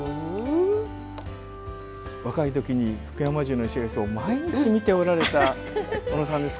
若い時に福山城の石垣を毎日見ておられた小野さんですから。